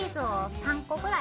３個ぐらい。